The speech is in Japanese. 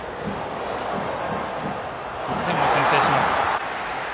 １点を先制します。